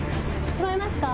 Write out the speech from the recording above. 聞こえますか？